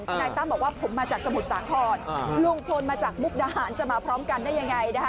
นายตั้มบอกว่าผมมาจากสมุทรสาครลุงพลมาจากมุกดาหารจะมาพร้อมกันได้ยังไงนะคะ